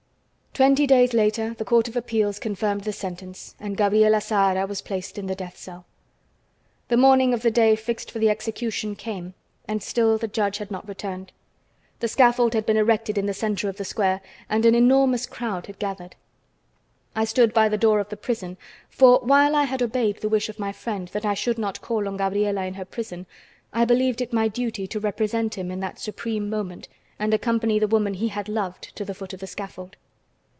Twenty days later the Court of Appeals confirmed the sentence, and Gabriela Zahara was placed in the death cell. The morning of the day fixed for the execution came, and still the judge had not returned. The scaffold had been erected in the center of the square, and an enormous crowd had gathered. I stood by the door of the prison, for, while I had obeyed the wish of my friend that I should not call on Gabriela in her prison, I believed it my duty to represent him in that supreme moment and accompany the woman he had loved to the foot of the scaffold.